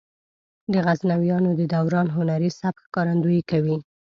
د غزنویانو د دوران هنري سبک ښکارندويي کوي.